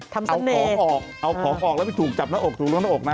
เอาของออกเอาของออกแล้วไปถูกจับหน้าอกถูกล่วงหน้าอกนะ